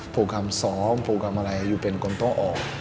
โปรแกรมซ้อมโปรแกรมอะไรอยู่เป็นคนต้องออก